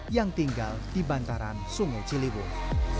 yang tinggal di bantaran sungai ciliwung